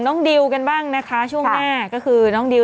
นี่ยึดอย่างงี้เลยเลย